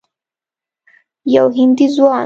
یو هندي ځوان